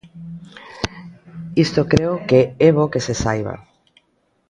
Isto creo que é bo que se saiba.